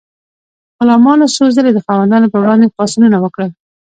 غلامانو څو ځلې د خاوندانو پر وړاندې پاڅونونه وکړل.